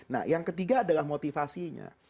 nah yang ketiga adalah motivasinya